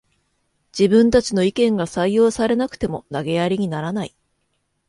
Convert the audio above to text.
自分たちの意見が採用されなくても投げやりにならない